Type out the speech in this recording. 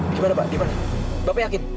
gimana pak gimana bapak yakin